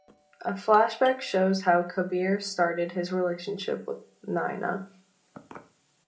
A flashback shows how Kabir started his relationship with Naina.